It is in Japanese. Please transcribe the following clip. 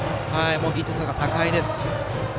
技術が高いです。